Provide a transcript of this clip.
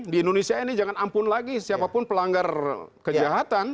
di indonesia ini jangan ampun lagi siapapun pelanggar kejahatan